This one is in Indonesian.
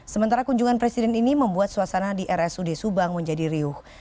sementara kunjungan presiden ini membuat suasana di rsud subang menjadi riuh